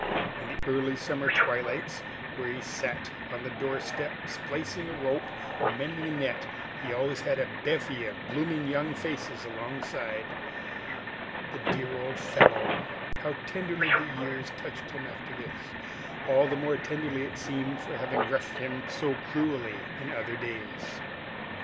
In the early summer twilights, when he sat on the door step splicing a rope or mending a net, he always had a bevy of blooming young faces alongside. The dear old fellow! How tenderly the years touched him after this all the more tenderly, it seemed, for having roughed him so cruelly in other days!